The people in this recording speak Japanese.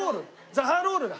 ザバロールだ。